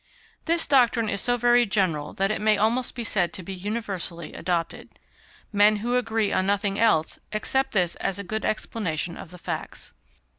This doctrine is so very general that it may almost be said to be universally adopted. Men who agree on nothing else, accept this as a good explanation of the facts.